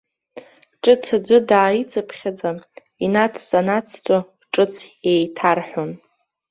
Ҿыц аӡәы дааицыԥхьаӡа, инацҵа-нацҵо, ҿыц еиҭарҳәон.